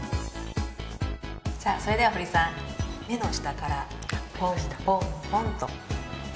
それでは堀さん目の下からポンポンポンと。